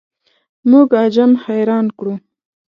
موږ عجم حیران کړو.